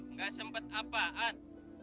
nggak sempat apaan